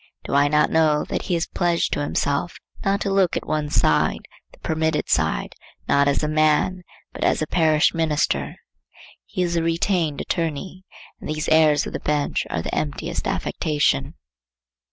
Do I not know that he is pledged to himself not to look but at one side, the permitted side, not as a man, but as a parish minister? He is a retained attorney, and these airs of the bench are the emptiest affectation.